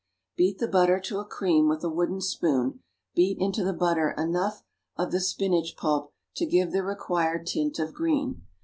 Beat the butter to a cream with a wooden spoon; beat into the butter enough of the spinach pulp to give the required tint of green.